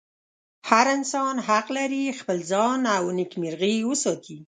هر انسان حق لري خپل ځان او نېکمرغي وساتي.